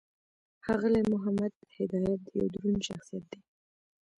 ښاغلی محمد هدایت یو دروند شخصیت دی.